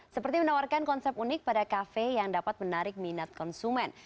seperti menawarkan konsep unik pada kafe yang dapat menarik minat konsumen